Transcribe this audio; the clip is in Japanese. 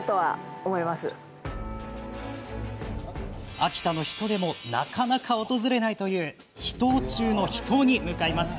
秋田の人でもなかなか訪れないという秘湯中の秘湯に向かいます。